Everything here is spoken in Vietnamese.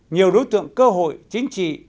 nhiều đối tượng cơ hội chính trị